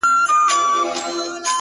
خپه سو _ صرف يو غاړه چي هم ور نه کړله _